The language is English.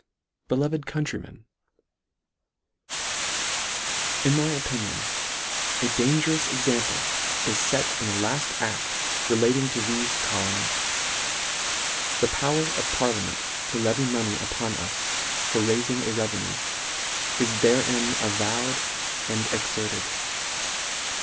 Beloved Countrymen, IN my opinion, a dangerous example is fet in the lafl ad: relating to thefe colo nies. The power of parliament to levy money upon us for railing a revenue, is therein avowed and exerted.